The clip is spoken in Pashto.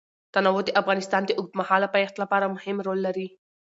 تنوع د افغانستان د اوږدمهاله پایښت لپاره مهم رول لري.